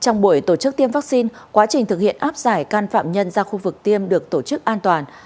trong buổi tổ chức tiêm vaccine quá trình thực hiện áp giải can phạm nhân ra khu vực tiêm được tổ chức an toàn